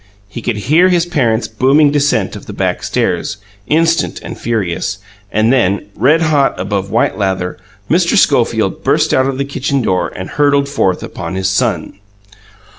He could hear his parent's booming descent of the back stairs, instant and furious; and then, red hot above white lather, Mr. Schofield burst out of the kitchen door and hurtled forth upon his son.